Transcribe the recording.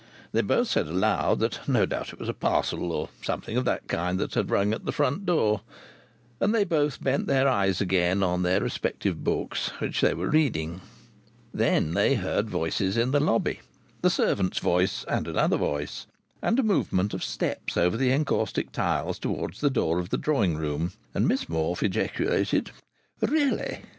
They both said aloud that no doubt it was a parcel or something of the kind that had rung at the front door. And they both bent their eyes again on the respective books which they were reading. Then they heard voices in the lobby the servant's voice and another voice and a movement of steps over the encaustic tiles towards the door of the drawing room. And Miss Morfe ejaculated: "Really!"